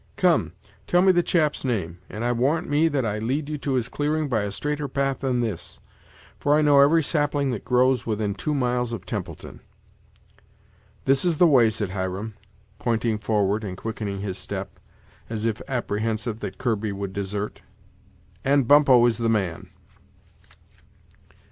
Come, tell me the chap's name, and I warrant me that I lead you to his clearing by a straighter path than this, for I know every sapling that grows within two miles of Templeton." "This is the way," said Hiram, pointing forward and quickening his step, as if apprehensive that Kirby would desert, "and Bumppo is the man."